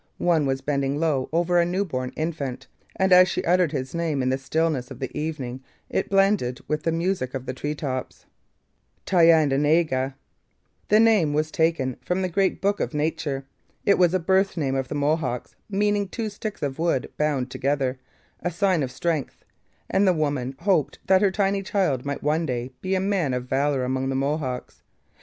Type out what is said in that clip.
One was bending low over a newborn infant, and as she uttered his name in the stillness of the evening it blended with the music of the tree tops. 'Thayendanegea!' [Footnote: Pronounced Tai yen da nay geh.] The name was taken from the great book of nature. It was a birth name of the Mohawks meaning two sticks of wood bound together, a sign of strength; and the woman hoped that her tiny child might one day be a man of valour among the Mohawks.